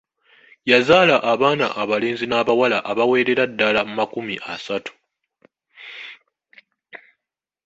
Yazaala abaana abalenzi n'abawala abawerera ddala makumi asatu.